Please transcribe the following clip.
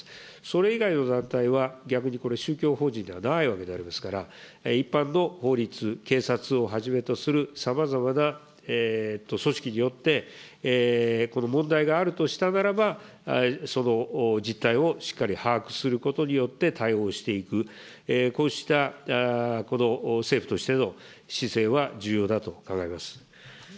それ以外の団体は、逆にこれ、宗教法人ではないわけでありますから、一般の法律、警察をはじめとするさまざまな組織によって、問題があるとしたならば、その実態をしっかり把握することによって対応していく、こうした政府としての姿勢は重要だと考えます。